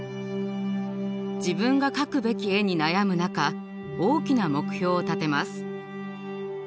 自分が描くべき絵に悩む中大きな目標を立てます。